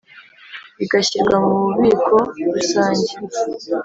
bigashyirwa mu Bubiko Rusange